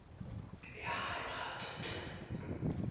Er heiratete